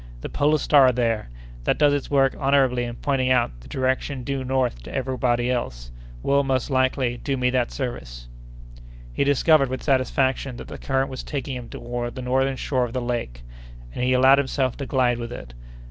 "The polar star there, that does its work honorably in pointing out the direction due north to everybody else, will, most likely, do me that service." He discovered, with satisfaction, that the current was taking him toward the northern shore of the lake, and he allowed himself to glide with it.